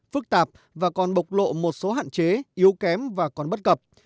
phức tạp và còn bộc lộ một số hạn chế yếu kém và còn bất cập